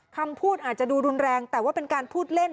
คำพูดอาจจะดูรุนแรงแต่ว่าเป็นการพูดเล่น